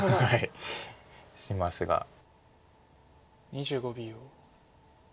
２５秒。